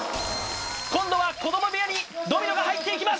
今度は子ども部屋にドミノが入っていきます